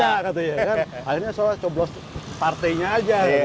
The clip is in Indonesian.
akhirnya saya coblos partainya aja